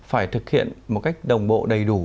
phải thực hiện một cách đồng bộ đầy đủ